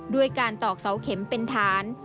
ด้วยการตอกเสาเข็มเป็นฐาน